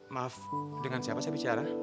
maaf dengan siapa saya bicara